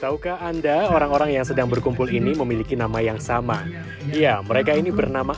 tahukah anda orang orang yang sedang berkumpul ini memiliki nama yang sama ya mereka ini bernama